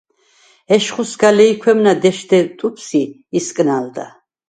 ეშხუ სგა ლეჲქვემნა დეშდვე ტუფს ი ისკნა̄ლდა.